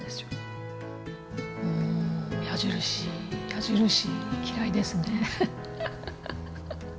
うん矢印矢印嫌いですね。